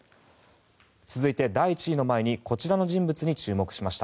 続いて第１位の前にこちらの人物に注目しました。